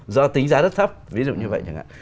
do tính giá rất thấp ví dụ như vậy chẳng hạn